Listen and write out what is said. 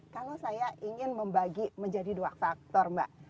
kalau saya ingin membagi menjadi dua faktor mbak